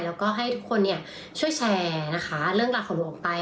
แล้วก็ให้ทุกคนช่วยแชร์นะคะเรื่องราวของหนูออกไป